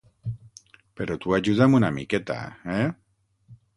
Però tu ajuda'm una miqueta, eh?